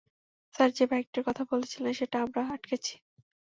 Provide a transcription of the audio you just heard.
Sir, যে বাইকটার কথা বলেছিলেন সেটা আমরা আটকেছি।